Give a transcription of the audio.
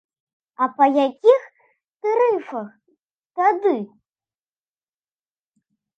А па якіх тарыфах тады?